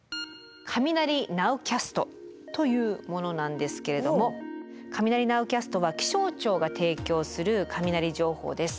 「雷ナウキャスト」というものなんですけれども雷ナウキャストは気象庁が提供する雷情報です。